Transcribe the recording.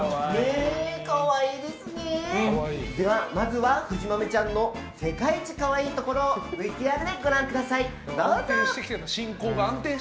まずは藤豆ちゃんの世界一かわいいところをＶＴＲでご覧ください。